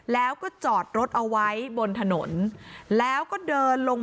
แล้วก็จอดรถเอาไว้บนถนน